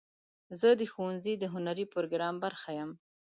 زه د ښوونځي د هنري پروګرام برخه یم.